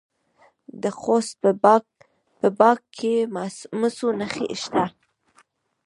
د خوست په باک کې د مسو نښې شته.